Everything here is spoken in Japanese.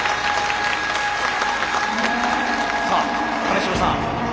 さあ金城さん